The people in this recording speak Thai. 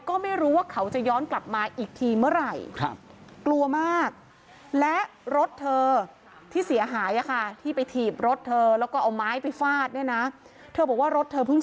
ก็ไม่รู้ว่าเขาจะย้อนกลับมาอีกทีเมื่อไหร่